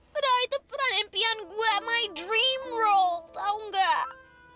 padahal itu peran impian gue my dream rock tau gak